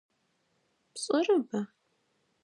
Пшӏэрэба?